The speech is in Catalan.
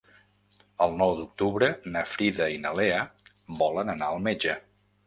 El nou d'octubre na Frida i na Lea volen anar al metge.